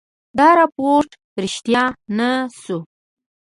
دا رپوټ ریشتیا نه شو.